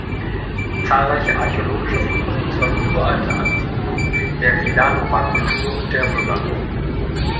Zahlreiche archäologische Funde bezeugen uralte Ansiedlungen der Villanovakultur und der Römer.